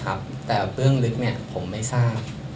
ผมทราบว่าทำธุรกิจครับแต่เรื่องลึกผมไม่ทราบ